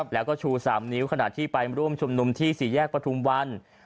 แล้วก็ชู๓นิ้วขณะที่ไปร่วมชุมนุมที่๔แยกปฐุมวัน